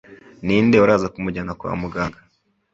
Ni nde uraza kumujyana kwa muganga